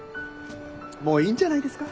もういいんじゃないですか？